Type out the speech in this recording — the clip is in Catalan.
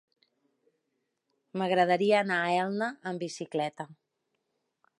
M'agradaria anar a Elda amb bicicleta.